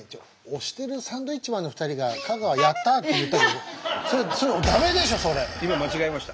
押してるサンドウィッチマンの２人が香川「やった！」って言ったけど今間違えました。